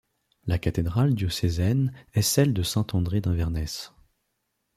La cathédrale diocésaine est celle de Saint-André d'Inverness.